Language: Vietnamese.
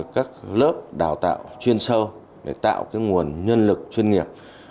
các lớp đào tạo chuyên sâu để tạo nguồn nhân lực chuyên nghiệp